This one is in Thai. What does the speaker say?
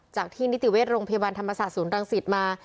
ที่นิติเวชโรงพยาบาลธรรมศาสตร์ศูนย์รังสิตมา